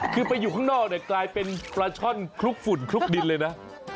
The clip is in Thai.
คือไปอยู่ข้างนอกเนี่ยกลายเป็นปลาช่อนคลุกฝุ่นคลุกดินเลยนะ